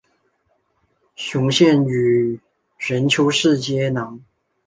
雄县与任丘市接壤。